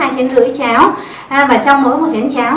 hai chén rưỡi cháo và trong mỗi một chén cháo